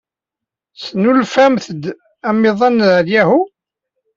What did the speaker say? Tesnulfamt-d amiḍan deg Yahoo?